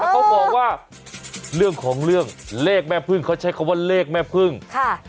เขาบอกว่าเรื่องของเรื่องเลขแม่พึ่งเขาใช้คำว่าเลขแม่พึ่งค่ะ